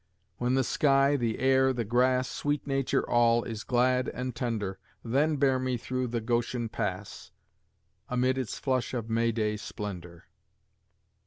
"When the sky, the air, the grass, Sweet Nature all, is glad and tender, Then bear me through 'The Goshen Pass' Amid its flush of May day splendor."